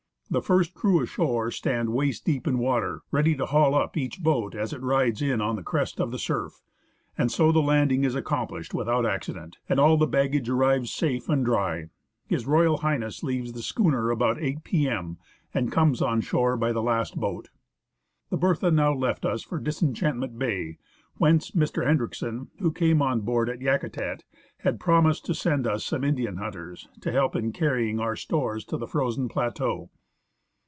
The first crew ashore stand waist deep in water, ready to haul up each boat as it rides in on the crest of the surf, and so the landing is accomplished TALL GRASSES ON THE BEACH. without accident, and all the baggage arrives safe and dry. H.R. H. leaves the schooner about 8 p.m., and comes on shore by the last boat. The Bertha now left us for Disenchantment Bay, whence Mr. Hendriksen, who came on board at Yakutat, had promised to send us some Indian hunters to help in carrying our stores to the frozen plateau.